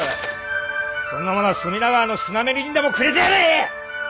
そんなものは隅田川のスナメリにでもくれてやれ！